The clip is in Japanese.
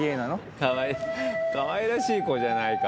かわいいかわいらしい子じゃないか。